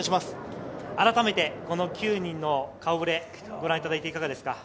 改めてこの９人の顔触れ、ご覧いただいていかがですか？